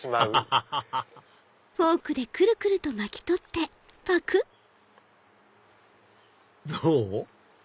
ハハハハどう？